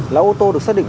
là ô tô được xác định